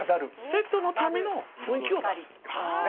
セットのための雰囲気を出す。